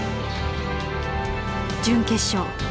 準決勝。